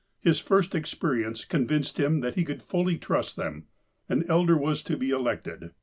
His first experience convinced him that he could fully trust them. An elder was to be elected.